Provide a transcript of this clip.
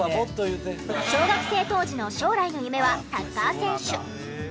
小学生当時の将来の夢はサッカー選手。